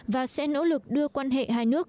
và sẽ nỗ lực đưa quan hệ hai nước